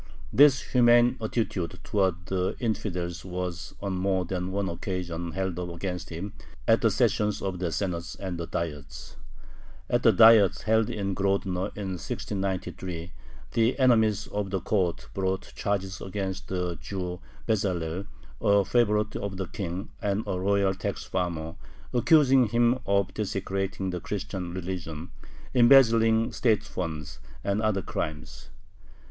This humane attitude towards the "infidels" was on more than one occasion held up against him at the sessions of the Senate and the Diets. At the Diet held in Grodno in 1693 the enemies of the court brought charges against the Jew Bezalel, a favorite of the King and a royal tax farmer, accusing him of desecrating the Christian religion, embezzling state funds, and other crimes.